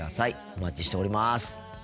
お待ちしております。